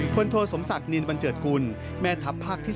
โทสมศักดินบันเจิดกุลแม่ทัพภาคที่๓